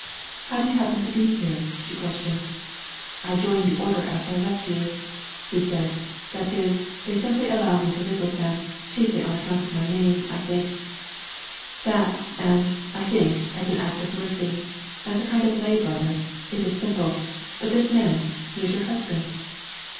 'How do you happen to be here?' she questioned. 'I joined the order after I left you,' he said. 'That is, they simply allow me to live with them, chiefly on account of my name, I think; that, and, I think, as an act of mercy. As a kind of lay brother it is simple. But, this man he is your husband?'